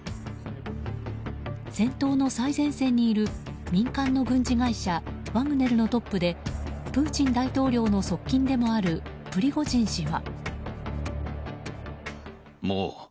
戦闘の最前線にいる民間の軍事会社ワグネルのトップでプーチン大統領の側近でもあるプリゴジン氏は。